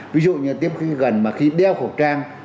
ví dụ như tiếp khi gần mà khi đeo khẩu trang